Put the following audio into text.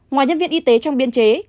ngoài nhân viên y tế trong biên chế